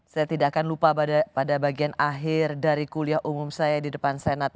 saya tidak akan lupa pada bagian akhir dari kuliah umum saya di depan senat